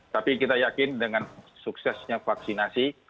tapi kita yakin dengan suksesnya vaksinasi